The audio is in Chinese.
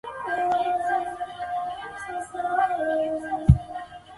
舰载机随舰多次到亚丁湾执行护航任务。